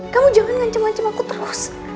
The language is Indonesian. kamu jangan ngancam ngancam aku terus